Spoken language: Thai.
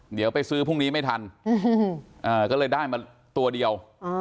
เดี๋ยวไปซื้อพรุ่งนี้ไม่ทันก็เลยได้มาตัวเดียว